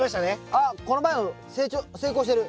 あっこの前の成功してる。